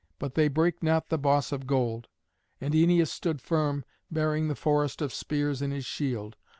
But they brake not the boss of gold. And Æneas stood firm, bearing the forest of spears in his shield.